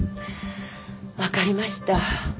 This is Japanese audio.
わかりました。